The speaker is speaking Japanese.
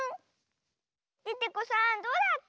デテコさんどうだった？